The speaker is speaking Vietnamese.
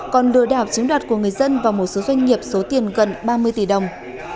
còn đưa đạo chiếm đoạt của người dân vào một số doanh nghiệp số tiền gần ba mươi tỷ đồng